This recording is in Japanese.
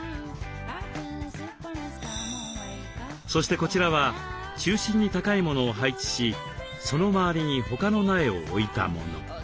そしてこちらは中心に高いものを配置しその周りに他の苗を置いたもの。